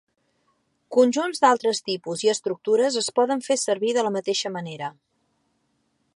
Conjunts d'altres tipus i estructures es poden fer servir de la mateixa manera.